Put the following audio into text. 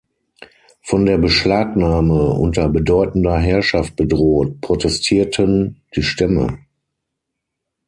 Von der Beschlagnahme unter bedeutender Herrschaft bedroht, protestierten die Stämme.